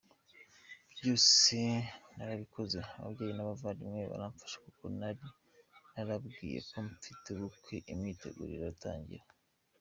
Byose narabikoze ababyeyi n’abavandimwe baramfasha kuko nari narabwiye ko mfite ubukwe imyiteguro iratangira.